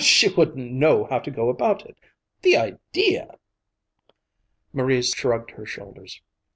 "She wouldn't know how to go about it. The idea!" Marie shrugged her shoulders.